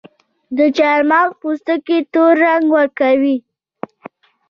د چارمغز پوستکي تور رنګ ورکوي.